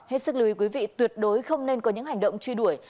hết sức lưu ý quý vị tuyệt đối không nên có những hành động truy đuổi